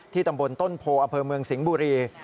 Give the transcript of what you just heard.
ที่ตำบลต้นโพอเมืองสิงห์บุรี